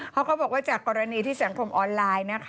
เขาก็บอกว่าจากกรณีที่สังคมออนไลน์